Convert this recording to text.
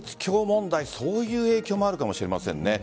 そういう影響もあるかもしれませんね。